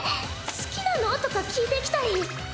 「好きなの？」とか聞いてきたり。